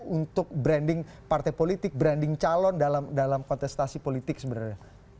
untuk branding partai politik branding calon dalam kontestasi politik sebenarnya